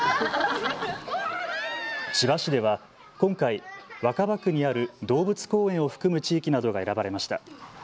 千葉市では今回、若葉区にある動物公園を含む地域などが選ばれました。